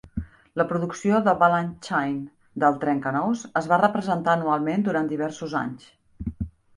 La producció de Balanchine de "El Trencanous" es va representar anualment durant diversos anys.